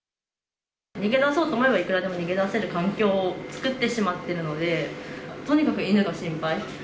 逃げ出そうと思えば、いくらでも逃げ出せる環境を作ってしまってるので、とにかく犬が心配。